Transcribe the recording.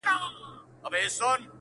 لوی وجود ته یې زمری پاچا حیران سو -